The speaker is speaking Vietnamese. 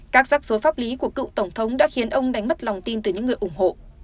các sắc số pháp lý của cựu tổng thống đã khiến ông đánh mất lòng tin từ những người ủng hộ